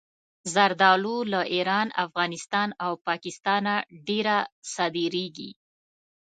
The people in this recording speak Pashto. زردالو له ایران، افغانستان او پاکستانه ډېره صادرېږي.